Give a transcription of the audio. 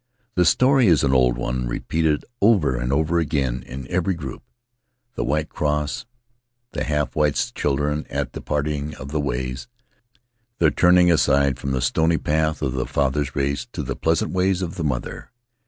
The story is an old one, repeated over and over again in every group: the white cross; the half Tahitian Tales white children at the parting of the ways; their turning aside from the stony path of the father's race to the pleasant ways of the mother.